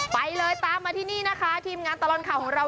ไปเลยตามมาที่นี่นะคะทีมงานตลอดข่าวของเรา